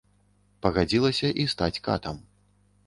Пагадзілася і стаць катам.